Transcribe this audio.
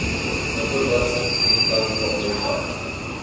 بندوبست ان کا مکمل تھا۔